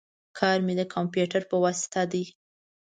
کار می د کمپیوټر په واسطه دی